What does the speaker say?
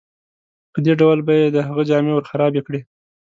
په دې ډول به یې د هغه جامې ورخرابې کړې.